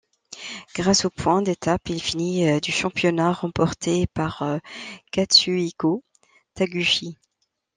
Grâce aux points d'étapes, il finit du championnat, remporté par Katsuhiko Taguchi.